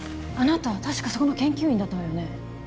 あなた確かそこの研究員だったわよね？